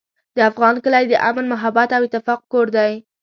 د افغان کلی د امن، محبت او اتفاق کور دی.